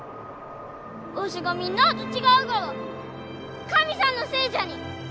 わしがみんなあと違うがは神さんのせいじゃに！